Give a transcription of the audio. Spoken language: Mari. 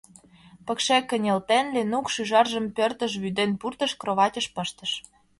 Пыкше кынелтен, Ленук шӱжаржым пӧртыш вӱден пуртыш, кроватьыш пыштыш.